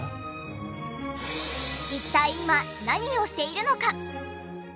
一体今何をしているのか？